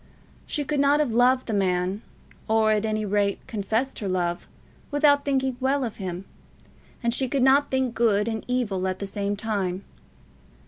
She could not have loved the man, or at any rate confessed her love, without thinking well of him; and she could not think good and evil at the same time.